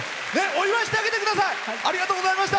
お祝いしてあげてください！